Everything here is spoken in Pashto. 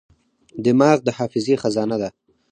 دماغ د حافظې خزانه ده.